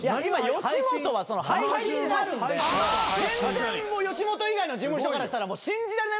吉本は配信があるんで吉本以外の事務所からしたら信じられないぐらい。